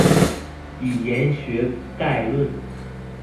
語言學概論